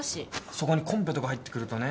そこにコンペとか入ってくるとね